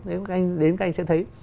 đến các anh sẽ thấy